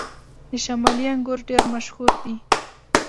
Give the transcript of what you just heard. د شمالي انګور ډیر مشهور دي